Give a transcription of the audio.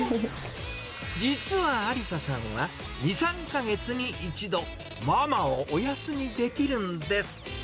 実はありささんは、２、３か月に１度、ママをお休みできるんです。